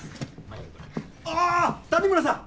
ああ谷村さん！